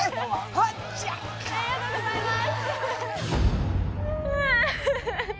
ありがとうございます。